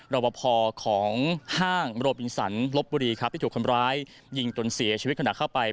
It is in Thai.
รอบพอของห้างโรบินสันลบบุรีครับที่ถูกคนร้ายยิงจนเสียชีวิตขณะเข้าไป